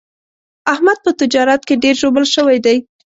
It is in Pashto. احمد په تجارت کې ډېر ژوبل شوی دی.